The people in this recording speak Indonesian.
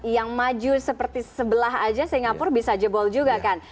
yang maju seperti sebelah aja singapura bisa jebol juga kan